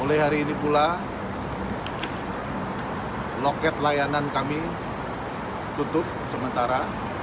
mulai hari ini pula loket layanan kami tutup sementara